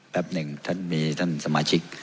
หนึ่งท่านมีท่านสมาชิก